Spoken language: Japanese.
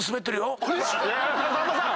さんまさん！